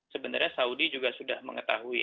sebenarnya saudi juga sudah mengetahui